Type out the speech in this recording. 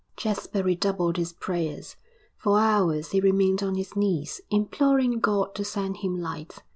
Jasper redoubled his prayers; for hours he remained on his knees, imploring God to send him light....